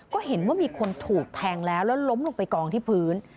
ก็เห็นว่ามีคนถูกแทงแล้วแล้วล้มลงไปกองที่พื้น